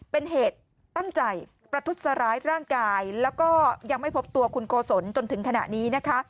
เป็นเหตุตั้งใจประทุษร้ายร่างกายแล้วก็ยังไม่พบตัวคุณโกศลจนถึงขณะนี้นะคะ